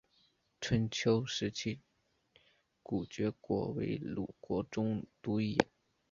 春秋时期古厥国为鲁国中都邑。